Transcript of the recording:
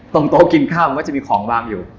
โต๊ะกินข้าวมันก็จะมีของวางอยู่